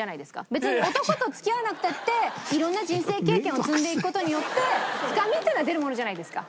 別に男と付き合わなくたって色んな人生経験を積んでいく事によって深みっていうのは出るものじゃないですか。